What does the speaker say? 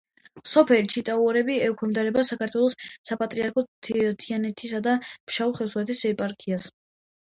სოფელი ჩიტაურები ექვემდებარება საქართველოს საპატრიარქოს თიანეთისა და ფშავ-ხევსურეთის ეპარქიას.